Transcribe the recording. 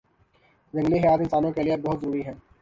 جنگلی حیات انسانوں کے لیئے بہت ضروری ہیں